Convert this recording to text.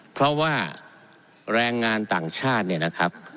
เพราะว่าแรงงานต่างชาติเนี่ยนะครับ